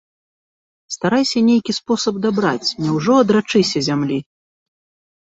Старайся нейкі спосаб дабраць, няўжо адрачыся зямлі?